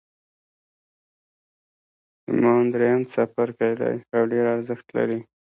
ایمان درېیم څپرکی دی او ډېر ارزښت لري